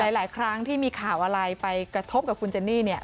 หลายครั้งที่มีข่าวอะไรไปกระทบกับคุณเจนนี่เนี่ย